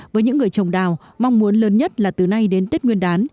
với những người trồng đào mong muốn lớn nhất là từ nay đến tết nguyên đán